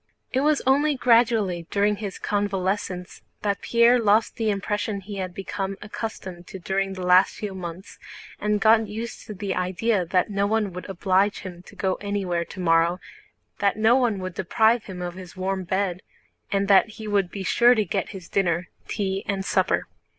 It was only gradually during his convalescence that Pierre lost the impressions he had become accustomed to during the last few months and got used to the idea that no one would oblige him to go anywhere tomorrow, that no one would deprive him of his warm bed, and that he would be sure to get his dinner, tea, and supper.